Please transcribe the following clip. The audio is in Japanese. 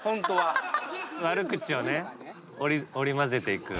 悪口をね織り交ぜていく。